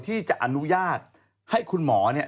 ที่จะอนุญาตให้คุณหมอเนี่ย